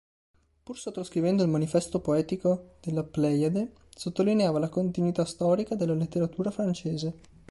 Pur sottoscrivendo il manifesto poetico della Pléiade, sottolineava la continuità storica della letteratura francese.